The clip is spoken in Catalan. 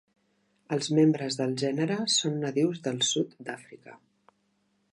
Els membres del gènere són nadius del sud d'Àfrica.